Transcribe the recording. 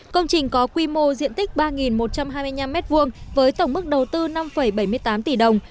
công trình có quy mô diện tích ba một trăm hai mươi năm m hai với tổng mức đầu tư năm bảy mươi tám tỷ đồng